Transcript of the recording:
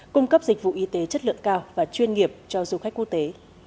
cung cấp dịch vụ y tế chất lượng cao và chuyên nghiệp cho du khách quốc tế